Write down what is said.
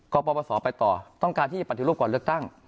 ปปศไปต่อต้องการที่จะปฏิรูปก่อนเลือกตั้ง